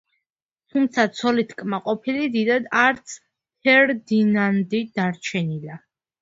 თუმცა ცოლით კმაყოფილი დიდად არც ფერდინანდი დარჩენილა.